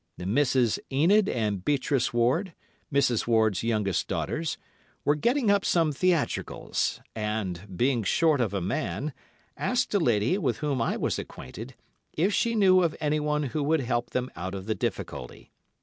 The Misses Enid and Beatrice Ward, Mrs. Ward's youngest daughters, were getting up some theatricals, and, being short of a man, asked a lady, with whom I was acquainted, if she knew of anyone who would help them out of the difficulty.